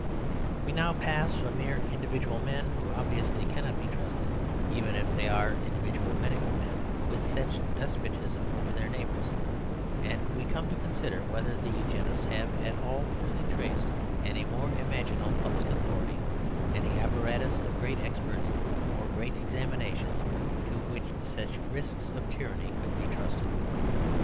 We now pass from mere individual men who obviously cannot be trusted, even if they are individual medical men, with such despotism over their neighbours; and we come to consider whether the Eugenists have at all clearly traced any more imaginable public authority, any apparatus of great experts or great examinations to which such risks of tyranny could be trusted.